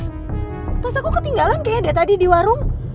tas tas aku ketinggalan kayaknya deh tadi di warung